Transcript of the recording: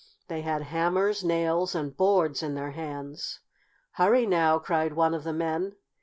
They had hammers, nails and boards in their hands. "Hurry now!" cried one of the men.